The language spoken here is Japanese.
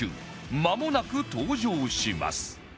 まもなく登場します